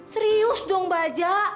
serius dong baja